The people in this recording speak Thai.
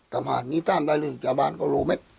สัมภาษณ์นี้ตามได้เลยจับบ้านก็รู้ไหม